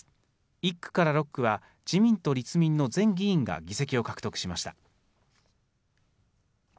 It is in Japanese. １区から６区は、自民と立民の前議員が議席を獲得しました。